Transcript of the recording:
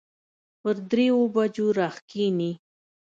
پر دريو بجو راکښېني.